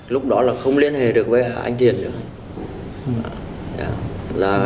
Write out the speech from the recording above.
lúc đó là không liên hệ được với anh tiền nữa